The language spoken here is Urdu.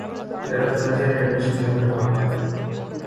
درخت مزے میں مست جھوم رہا ہے